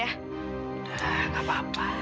udah gak apa apa